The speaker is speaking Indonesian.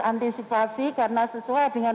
antisipasi karena sesuai dengan